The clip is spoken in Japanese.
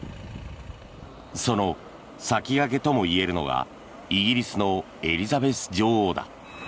その先駆けとも言えるのがイギリスのエリザベス女王だ。